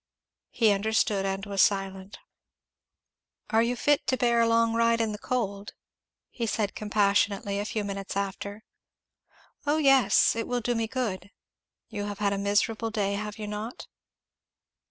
He understood and was silent. "Are you fit to bear a long ride in the cold?" he said compassionately a few minutes after. "Oh yes! It will do me good." "You have had a miserable day, have you not?"